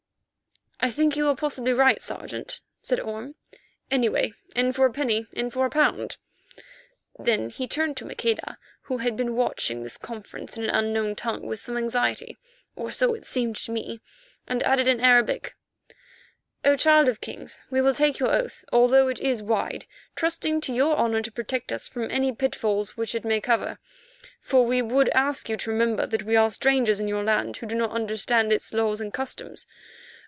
"I think you are probably right, Sergeant," said Orme. "Anyway, in for a penny, in for a pound." Then he turned to Maqueda, who had been watching this conference in an unknown tongue with some anxiety, or so it seemed to me, and added in Arabic: "O Child of Kings, we will take your oath, although it is wide, trusting to your honour to protect us from any pitfalls which it may cover, for we would ask you to remember that we are strangers in your land who do not understand its laws and customs.